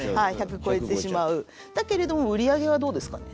だけれども売り上げはどうですかね？